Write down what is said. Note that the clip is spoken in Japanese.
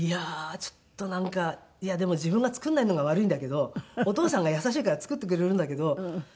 いやでも自分が作らないのが悪いんだけどお父さんが優しいから作ってくれるんだけど。